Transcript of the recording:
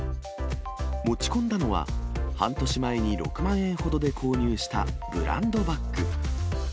持ち込んだのは、半年前に６万円ほどで購入したブランドバッグ。